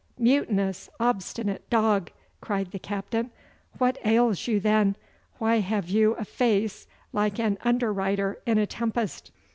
'Mutinous, obstinate dog!' cried the captain. 'What ails you then? Why have you a face like an underwriter in a tempest?